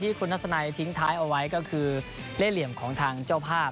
คุณทัศนัยทิ้งท้ายเอาไว้ก็คือเล่เหลี่ยมของทางเจ้าภาพ